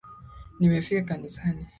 Nimefika kanisani